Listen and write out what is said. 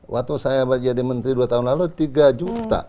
waktu saya menjadi menteri dua tahun lalu tiga juta